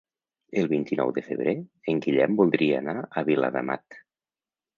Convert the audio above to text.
El vint-i-nou de febrer en Guillem voldria anar a Viladamat.